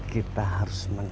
kita harus menang